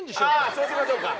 ああそうしましょうか。